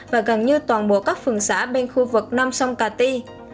và gần như toàn bộ các phường xã bên khu vực nam sông cà ti